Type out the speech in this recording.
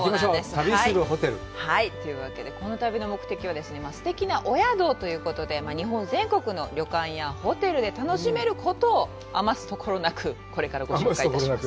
「旅するホテル」。というわけで、このたびの目的はすてきなお宿ということで、日本全国の旅館やホテルで楽しめることを余すところなく、これからご紹介いたします。